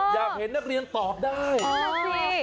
อยากเห็นนักเรียนตอบได้